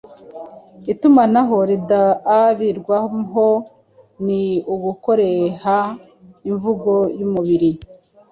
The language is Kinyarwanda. Itumanaho ridaubirwaho ni ugukoreha imvugo yumubiri,